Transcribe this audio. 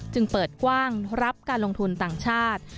จึงเปิดกว้างรับการลงทุนต่างชาติ